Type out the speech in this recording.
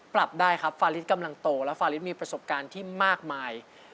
ปรับได้ครับฟาลิสกำลังโตแล้วฟาริสมีประสบการณ์ที่มากมาย